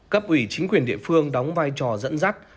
cấp ủy chính quyền địa phương đóng vai trò dẫn dắt